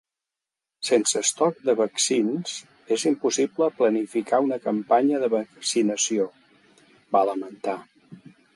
“Sense estoc de vaccins, és impossible planificar una campanya de vaccinació”, va lamentar.